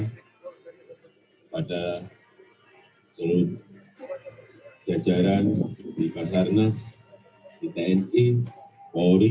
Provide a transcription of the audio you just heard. kepada seluruh jajaran di pasar nes di tni polri